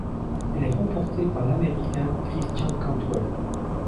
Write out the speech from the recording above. Elle est remportée par l'Américain Christian Cantwell.